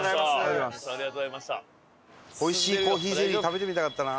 おいしいコーヒーゼリー食べてみたかったな。